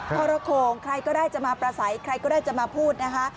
ทรโคงใครก็ได้จะมาประสัยใครก็ได้จะมาพูดนะคะ